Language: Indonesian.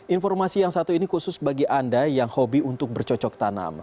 informasi yang satu ini khusus bagi anda yang hobi untuk bercocok tanam